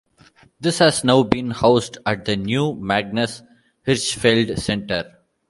This has now been housed at the new Magnus Hirschfeld Center.